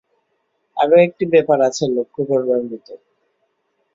আরও একটি ব্যাপার আছে লক্ষ্য করবার মত।